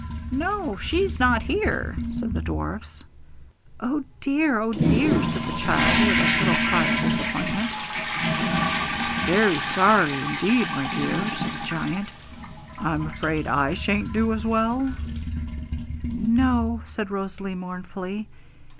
'No, she's not here,' said the dwarfs. 'Oh dear! oh dear!' said the child, with a little cry of disappointment. 'Very sorry, indeed, my dear,' said the giant. 'I'm afraid I sha'n't do as well?' 'No,' said Rosalie mournfully.